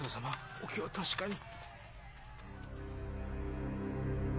お気を確かに。